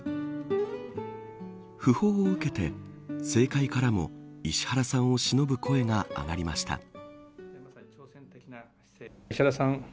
訃報を受けて政界からも石原さんをしのぶ声が上がりました。